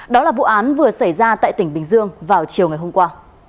đó là vụ án vừa xảy ra tại tỉnh bình dương vào chiều ngày hôm qua